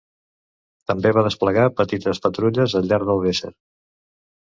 També va desplegar petites patrulles al llarg del Weser.